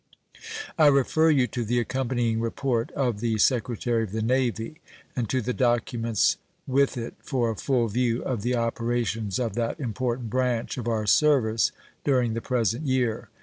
I refer you to the accompanying report of the Secretary of the Navy and to the documents with it for a full view of the operations of that important branch of our service during the present year.